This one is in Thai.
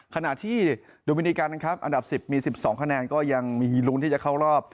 ขณะที่ดุมินิกันนะครับอันดับสิบมีสิบสองคะแนนก็ยังมีลุ้นที่จะเข้ารอบ